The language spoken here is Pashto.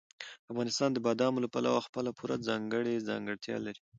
افغانستان د بادامو له پلوه خپله پوره ځانګړې ځانګړتیا لري.